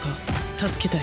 助けたい。